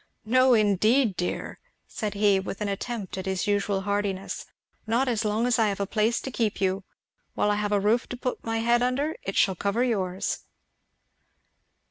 "No indeed, dear!" said he, with an attempt at his usual heartiness, "not as long as I have a place to keep you. While I have a roof to put my head under, it shall cover yours."